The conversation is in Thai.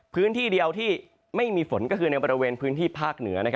พื้นที่เดียวที่ไม่มีฝนก็คือในบริเวณพื้นที่ภาคเหนือ